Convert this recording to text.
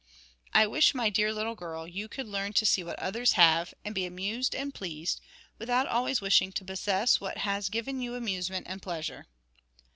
'I wish my dear little girl, you could learn to see what others have, and be amused and pleased, without always wishing to possess what has given you amusement and pleasure.'